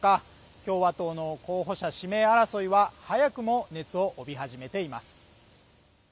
共和党の候補者指名争いは早くも熱を帯び始めています。